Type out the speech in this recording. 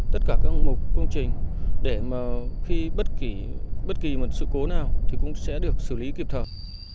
và các mục công trình để mà khi bất kỳ một sự cố nào thì cũng sẽ được xử lý kịp thời